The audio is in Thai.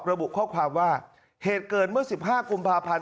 ระบุข้อความว่าเหตุเกิดเมื่อ๑๕กุมภาพันธ์